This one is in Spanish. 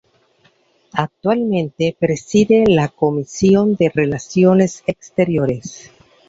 Actualmente preside la Comisión de Relaciones Exteriores.